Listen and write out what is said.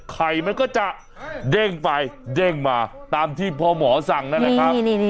ไข่มันก็จะเด้งไปเด้งมาตามที่พอหมอสั่งนั่นแหละครับ